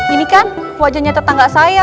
ini kan wajahnya tetangga saya